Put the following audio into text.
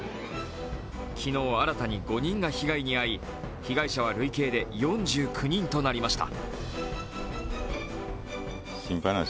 昨日、新たに５人が被害に遭い、被害者は累計で４９人となりました。